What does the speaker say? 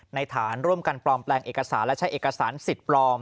ฐานร่วมกันปลอมแปลงเอกสารและใช้เอกสารสิทธิ์ปลอม